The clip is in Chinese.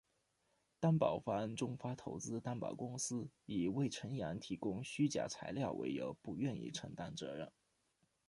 担保方中发投资担保公司以魏辰阳提供虚假材料为由不愿意承担责任。